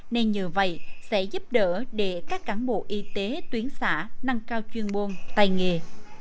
nên nhờ vậy sẽ giúp đỡ để các cán bộ y tế tuyến xã nâng cao chuyên môn tài nghề